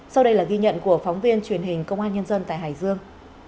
sau đây là ghi nhận của phóng viên truyền hình công an nhân dân tại hải dương